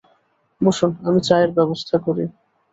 বসুন, আমি চায়ের ব্যবস্থা করি।